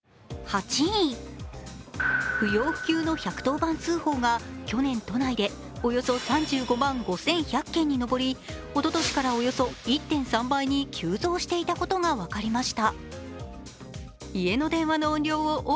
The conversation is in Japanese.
不要不急の１１０番通報が去年、都内でおよそ３５万５１００件に上りおととしからおよそ１．３倍に急増していたことが分かりました。